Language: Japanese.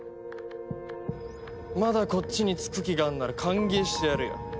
まだこっちにつく気があんなら歓迎してやるよ。